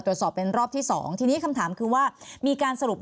ตรวจสอบเป็นรอบที่สองทีนี้คำถามคือว่ามีการสรุป